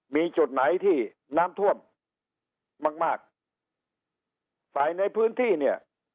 มีจุดไหนที่น้ำท่วมมากมากฝ่ายในพื้นที่เนี่ย